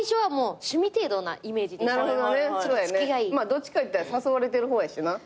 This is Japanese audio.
どっちかいったら誘われてる方やしな。